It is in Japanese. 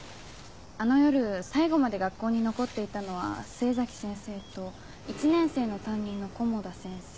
あの夜最後まで学校に残っていたのは末崎先生と１年生の担任の古茂田先生。